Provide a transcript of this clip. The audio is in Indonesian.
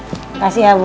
makasih ya bu